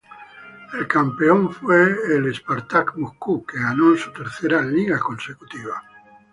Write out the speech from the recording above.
El campeón fue el Spartak Moscú, que ganó su tercera liga consecutiva.